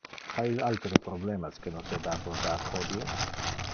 Ha il altere problemas que nos debe abordar hodie?